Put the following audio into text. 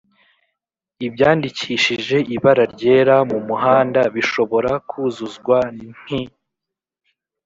ibyandikishijeibara ryera mumuhanda bishobora kuzuzwa n’ki